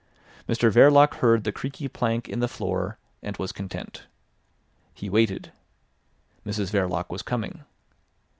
Mr Verloc heard the creaky plank in the floor, and was content. He waited. Mrs Verloc was coming.